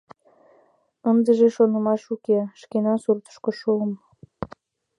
Ындыже шонышаш уке, шкенан суртышко шуым...